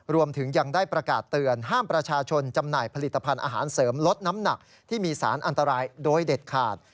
รวมถึงยังได้ประกาศเตือนห้ามประชาชนจำหน่ายผลิตภัณฑ์อาหารเสริมลดน้ำหนักที่มีสารอันตรายโดยเด็ดขาด